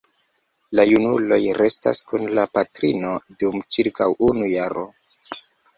La junuloj restas kun la patrino dum ĉirkaŭ unu jaro.